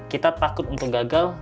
kita takut untuk gagal